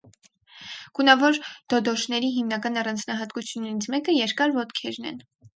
Գունավոր դոդոշների հիմնական առանձնահատկություններից մեկը երկար ոտքերն են։